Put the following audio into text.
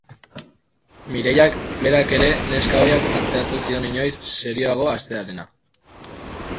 Mireiak berak ere, neska ohiak, planteatu zion inoiz serioago hastearena.